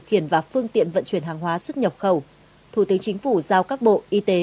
khiển và phương tiện vận chuyển hàng hóa xuất nhập khẩu thủ tướng chính phủ giao các bộ y tế